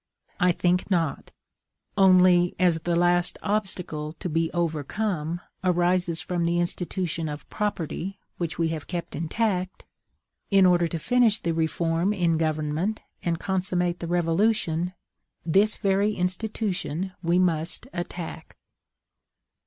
I think not: only, as the last obstacle to be overcome arises from the institution of property which we have kept intact, in order to finish the reform in government and consummate the revolution, this very institution we must attack.